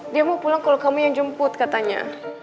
dia mau pulang kalau kamu yang jemput katanya